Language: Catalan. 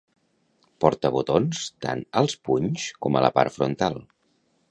Porta botons tant als punys com a la part frontal.